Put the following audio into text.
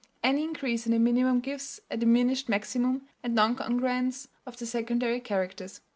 Any increase in the minimum gives a diminished maximum and non congruence of the secondary characters.